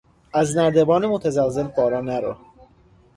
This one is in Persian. از نردبان متزلزل بالا نرو!